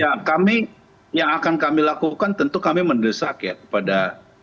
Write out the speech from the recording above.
ya kami yang akan kami lakukan tentu kami mendesak ya kepada